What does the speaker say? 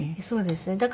そうですね。